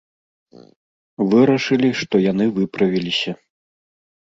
Вырашылі, што яны выправіліся?